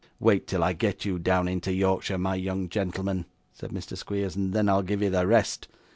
'Wait till I get you down into Yorkshire, my young gentleman,' said Mr Squeers, 'and then I'll give you the rest.